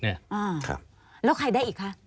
แล้วใครได้อีกคะ